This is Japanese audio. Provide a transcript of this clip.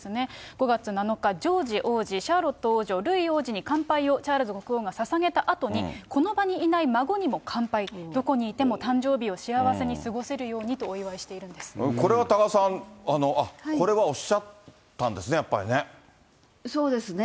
５月７日、ジョージ王子、シャーロット王女、ルイ王子に乾杯をチャールズ国王がささげたあとに、この場にいない孫にも乾杯、どこにいても誕生日を幸せに過ごせるようにとお祝いしているんでこれは多賀さん、これはおっそうですね。